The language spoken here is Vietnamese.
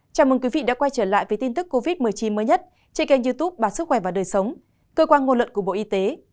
chào mừng quý vị đã quay trở lại với tin tức covid một mươi chín mới nhất trên kênh youtube bà sức khỏe và đời sống cơ quan ngôn luận của bộ y tế